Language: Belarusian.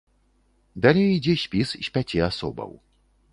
Далей ідзе спіс з пяці асобаў.